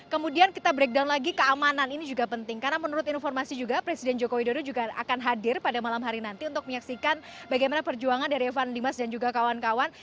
kemudian kita breakdown lagi keamanan ini juga penting karena menurut informasi juga presiden joko widodo juga akan hadir pada malam hari nanti untuk menyaksikan bagaimana perjuangan dari evan dimas dan juga kawan kawan